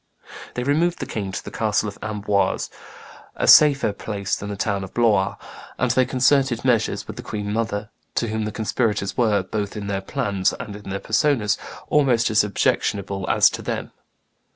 They removed the king to the castle of Amboise, a safer place than the town of Blois; and they concerted measures with the queen mother, to whom the conspirators were, both in their plans and their persons, almost as objectionable as to them.